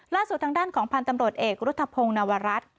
ล่าสุดทางด้านของพันธ์ตำรวจเอกรุธพงศ์นวรัฐ